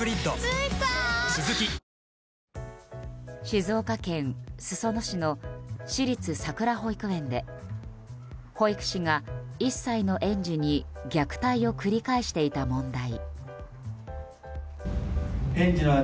静岡県裾野市の私立さくら保育園で保育士が１歳の園児に虐待を繰り返していた問題。